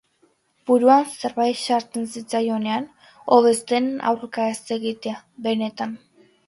Buruan zerbait sartzen zitzaionean, hobe zen aurka ez egitea, benetan.